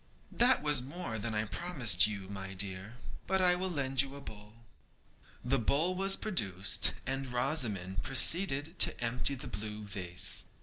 'That was more than I promised you, my dear, but I will lend you a bowl.' The bowl was produced, and Rosamond proceeded to empty the blue vase.